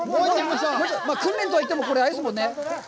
訓練とは言っても、これ、あれですもんね。